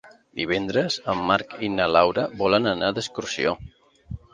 Divendres en Marc i na Laura volen anar d'excursió.